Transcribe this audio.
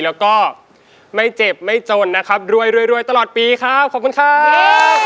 แล้วก็ไม่เจ็บไม่จนนะครับรวยรวยตลอดปีครับขอบคุณครับ